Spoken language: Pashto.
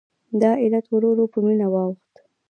دا عادت ورو ورو په مینه واوښت.